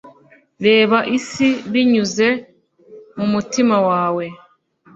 reba isi binyuze mu mutima we